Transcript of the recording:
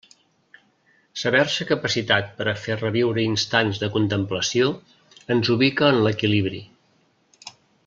Saber-se capacitat per a fer reviure instants de contemplació ens ubica en l'equilibri.